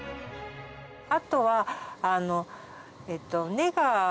あとは。